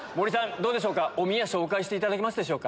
どうでしょうかおみや紹介していただけますか。